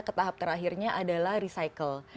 ke tahap terakhirnya adalah recycle